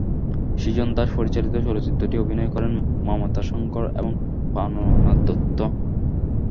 সৃজন দাশ পরিচালিত চলচ্চিত্রটিতে অভিনয় করেন মমতাশঙ্কর এবং প্রাণনাথ দত্ত।